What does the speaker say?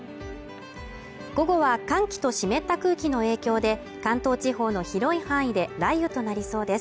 午後は寒気と湿った空気の影響で、関東地方の広い範囲で雷雨となりそうです。